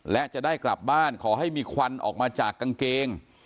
และจะได้กลับบ้านขอให้มีควันออกมาจากกางเกง